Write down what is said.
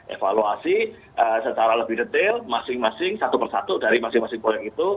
evaluasi secara lebih detail masing masing satu persatu dari masing masing proyek itu